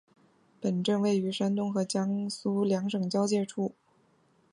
本镇位于山东与江苏两省交界处。